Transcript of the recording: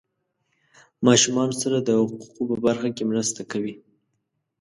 ماشومانو سره د حقوقو په برخه کې مرسته کوي.